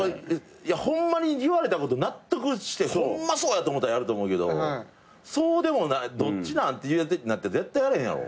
ホンマに言われたこと納得してホンマにそうやと思ったらやると思うけどそうでもないどっちなんっていうやつなんて絶対やらへんやろ。